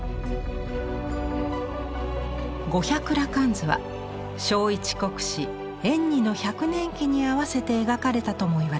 「五百羅漢図」は聖一国師円爾の百年忌に合わせて描かれたともいわれます。